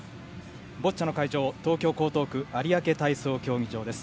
ボッチャの会場、東京・江東区有明体操競技場です。